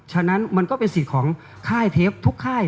ฉะนั้นมันก็เป็นสิทธิ์ของค่ายเทปทุกค่าย